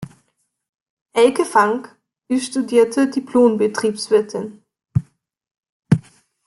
Elke Fank ist studierte Diplom-Betriebswirtin.